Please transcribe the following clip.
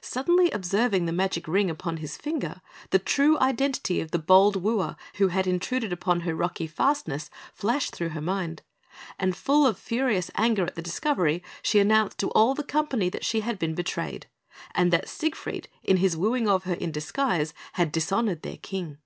Suddenly observing the magic Ring upon his finger, the true identity of the bold wooer who had intruded upon her rocky fastness flashed across her mind, and, full of furious anger at the discovery, she announced to all the company that she had been betrayed, and that Siegfried, in his wooing of her in disguise, had dishonoured their King.